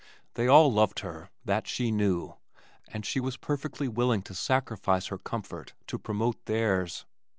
They all loved her, that she knew, and she was perfectly willing to sacrifice her comfort to promote theirs.